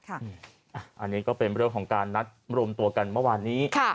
อันนี้ก็เป็นเรื่องของการนัดรวมตัวกันเมื่อวานนี้